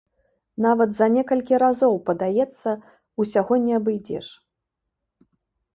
Нават за некалькі разоў, падаецца, усяго не абыдзеш.